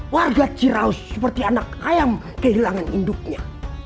warga ciraus seperti anak ayam kehilangan induknya